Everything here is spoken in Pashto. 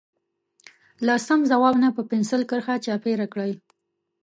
له سم ځواب نه په پنسل کرښه چاپېره کړئ.